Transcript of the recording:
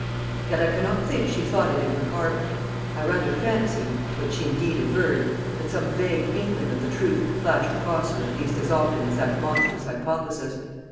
Yet I cannot think she thought it in her heart. I rather fancy (what she indeed averred) that some vague inkling of the truth flashed across her at least as often as that monstrous hypothesis.